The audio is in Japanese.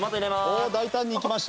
おお大胆にいきました。